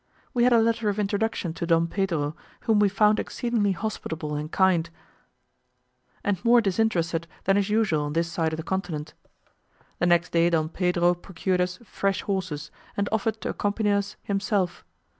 We had a letter of introduction to Don Pedro, whom we found exceedingly hospitable and kind, and more disinterested than is usual on this side of the continent. The next day Don Pedro procured us fresh horses, and offered to accompany us himself.